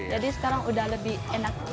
jadi sekarang udah lebih enak